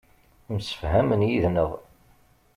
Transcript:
Msefhamen yid-neɣ.